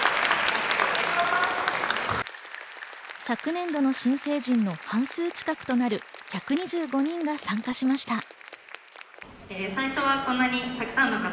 昨年度の新成人の半数近くとなる１２５人が参加しました。